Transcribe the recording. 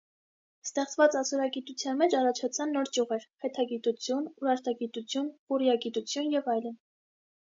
Ստեղծված ասորագիտության մեջ առաջացան նոր ճյուղեր՝ խեթագիտություն, ուրարտագիտություն, խուռիագիտություն և այլն։